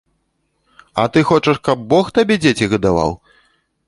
А ты хочаш, каб бог табе дзеці гадаваў?